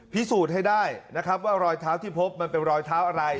พิสูจน์ให้ได้นะครับว่ารอยเท้าที่พบมันเป็นรอยเท้าอะไร